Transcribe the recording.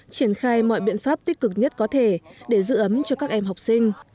triển khai mọi biện pháp tích cực nhất có thể để giữ ấm cho các em học sinh